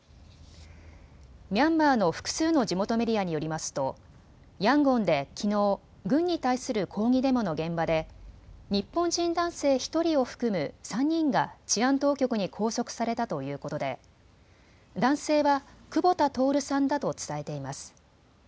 ミャンマーの複数の地元メディアによりますとヤンゴンできのう、軍に対する抗議デモの現場で日本人男性１人を含む３人が治安当局に拘束されたということで男性はクボタ・トオルさんだと伝えています。